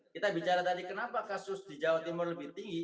kita bicara tadi kenapa kasus di jawa timur lebih tinggi